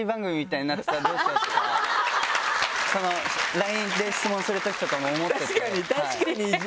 ＬＩＮＥで質問するときとかも思ってて。